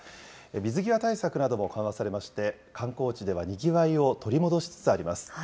水際対策なども緩和されまして、観光地ではにぎわいを取り戻しつつあります。